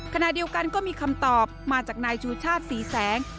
ขณะเดียวกันก็มีคำตอบมาจากนายชูชาติศรีแสง